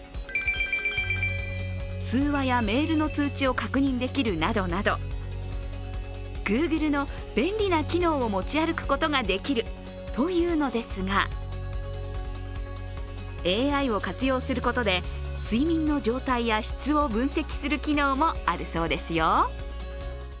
通話やメールの通知を確認できるなどなどグーグルの便利な機能を持ち歩くことができるというのですが、ＡＩを活用することで睡眠の状態や質を分析する機能もあるそうですよ。